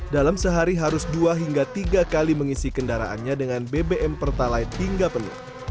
dalam sehari harus dua hingga tiga kali mengisi kendaraannya dengan bbm pertalite hingga penuh